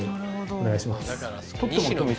お願いします。